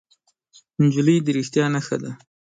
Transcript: نجلۍ د رښتیا نښه ده.